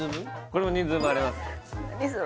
これも人数分あります